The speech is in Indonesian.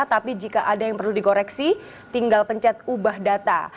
tapi jika ada yang perlu dikoreksi tinggal pencet ubah data